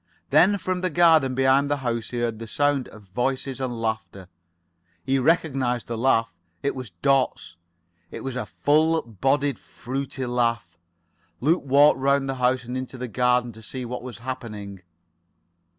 Then from the garden behind the house he heard the sound of voices and laughter. He recognized the laugh. It was Dot's. It was a full bodied, fruity laugh. Luke walked round the house and into the garden to see what was happening.